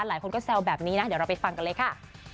หลายคนก็แซวแบบนี้นะเดี๋ยวเราไปฟังกันเลยค่ะ